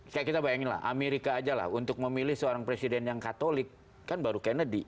seperti kita bayangkan amerika saja untuk memilih seorang presiden yang katolik kan baru kennedy